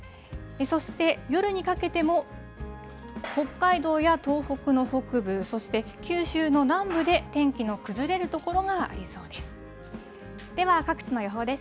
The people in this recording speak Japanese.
そして、夜にかけても、北海道や東北の北部、そして、九州の南部で天気の崩れる所がありそうです。